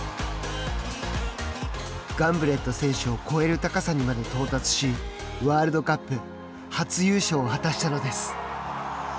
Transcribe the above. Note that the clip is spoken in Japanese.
ガンブレット選手を超える高さにまで到達しワールドカップ初優勝を果たしたのです。